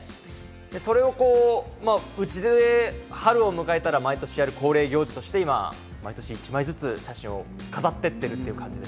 それを家で春を迎えたら毎年ある恒例行事として今、毎年一枚ずつ、写真を飾っていってる感じです。